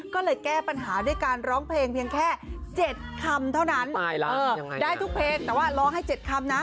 ก็เลยแก้ปัญหาด้วยการร้องเพลงเพียงแค่๗คำเท่านั้นได้ทุกเพลงแต่ว่าร้องให้๗คำนะ